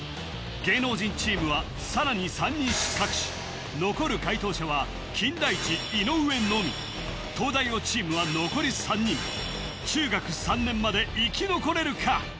芸能人チームはさらに３人失格し残る解答者は金田一井上のみ東大王チームは残り３人中学３年まで生き残れるか？